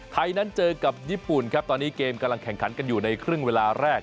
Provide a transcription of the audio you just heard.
ไทยนั้นเจอกับญี่ปุ่นครับตอนนี้เกมกำลังแข่งขันกันอยู่ในครึ่งเวลาแรก